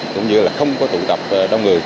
cũng như là không có tụ tập đông người